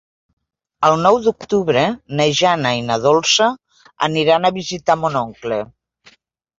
El nou d'octubre na Jana i na Dolça aniran a visitar mon oncle.